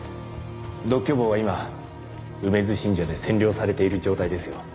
独居房は今梅津信者で占領されている状態ですよ。